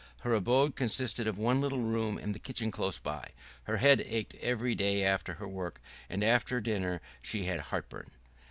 Her abode consisted of one little room and the kitchen close by. Her head ached every day after her work, and after dinner she had heart burn.